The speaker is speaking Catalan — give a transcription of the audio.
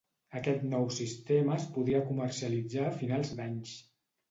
Aquest nou sistema es podria comercialitzar a finals d’anys.